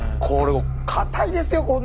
これもう硬いですよ